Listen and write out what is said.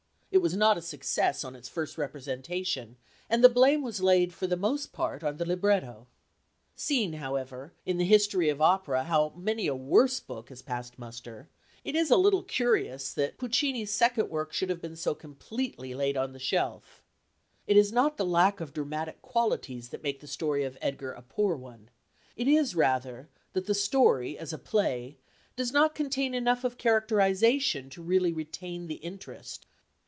It was not a success on its first representation, and the blame was laid for the most part on the libretto. Seeing, however, in the history of opera how many a worse book has passed muster, it is a little curious that Puccini's second work should have been so completely laid on the shelf. It is not the lack of dramatic qualities that make the story of Edgar a poor one; it is rather that the story, as a play, does not contain enough of characterisation to really retain the interest.